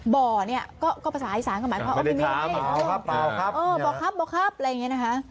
บ่อเนี้ยก็ก็ประสาทสารกับหมายความว่าบ่อครับบ่อครับบ่อครับบ่อครับอะไรอย่างเงี้ยนะคะ